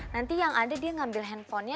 nanti yang ada dia ngambil handphonenya